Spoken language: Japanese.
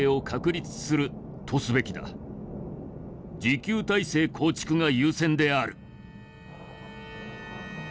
持久体制構築が優先である。